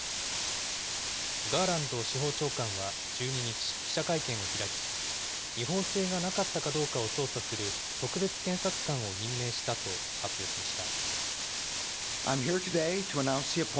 ガーランド司法長官は１２日、記者会見を開き、違法性がなかったかどうかを捜査する特別検察官を任命したと発表しました。